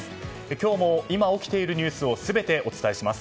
今日も今起きているニュースを全てお伝えします。